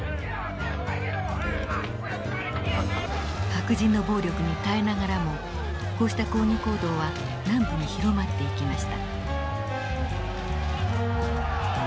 白人の暴力に耐えながらもこうした抗議行動は南部に広まっていきました。